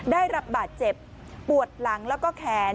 ได้รับบาดเจ็บปวดหลังแล้วก็แขน